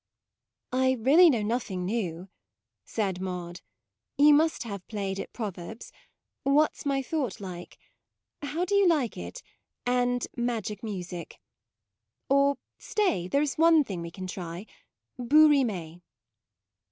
u I really know nothing new, " said Maude : u you must have play ed at Proverbs, What's my thought like? How do you like it ? and Magic music: or stay, there is one thing we can try: bouts rimes."